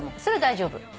それは大丈夫。